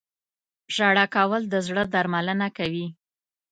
• ژړا کول د زړه درملنه کوي.